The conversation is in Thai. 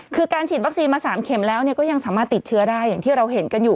คือการฉีดวัคซีนมา๓เข็มแล้วก็ยังสามารถติดเชื้อได้อย่างที่เราเห็นกันอยู่